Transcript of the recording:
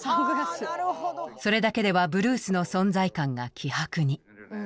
それだけではブルースの存在感が希薄に。